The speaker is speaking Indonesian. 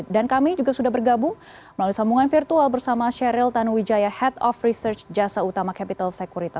kami juga sudah bergabung melalui sambungan virtual bersama sheryl tanuwijaya head of research jasa utama capital security